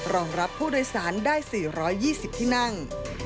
รองรับผู้โดยสารได้๔๒๐ที่นั่ง